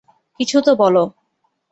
কিছু তো বলো।